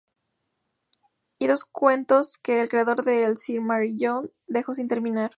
Y dos cuentos que el creador de "El Silmarillion" dejó sin terminar.